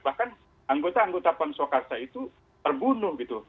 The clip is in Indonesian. bahkan anggota anggota pamsuakarsa itu terbunuh gitu